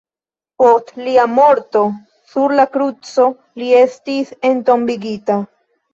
Post lia morto sur la kruco, li estis entombigita.